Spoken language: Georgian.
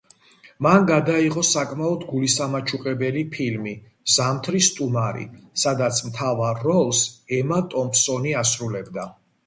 მან გადაიღო საკმაოდ გულისამაჩუყებელი ფილმი „ზამთრის სტუმარი“, სადაც მთავარ როლს ემა ტომპსონი ასრულებდა.